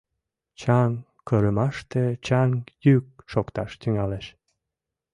Чаҥ кырымаште чаҥ йӱк шокташ тӱҥалеш.